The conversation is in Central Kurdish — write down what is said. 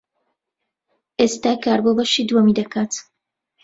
ئێستا کار بۆ بەشی دووەمی دەکات.